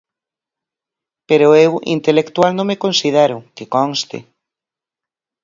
Pero eu intelectual non me considero, que conste.